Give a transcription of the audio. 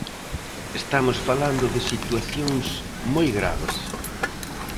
Estamos falando de situacións moi graves.